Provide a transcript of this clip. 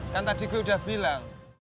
kan tadi gue udah bilang